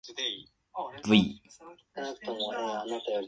ｖ